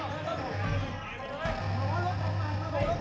โปรดติดตามต่อไป